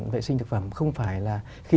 vệ sinh thực phẩm không phải là khi